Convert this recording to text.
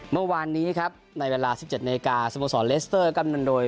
เมื่อวานนี้ครับในเวลาสิบเจ็ดนาฬิกาสมุทรศรเลสเตอร์กำลังโดย